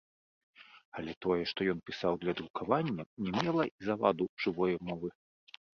Але тое, што ён пісаў для друкавання, не мела і заваду жывое мовы.